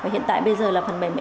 hiện tại bây giờ là phần mềm